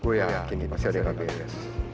gue yakin ini pasti ada yang beres